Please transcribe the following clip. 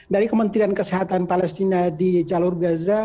dari kementerian kesehatan palestina di jalur gaza